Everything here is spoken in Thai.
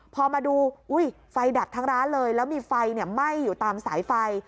พอมาดูอุ้ยไฟดับทั้งร้านเลยแล้วมีไฟไหม้อยู่ตามสายไฟ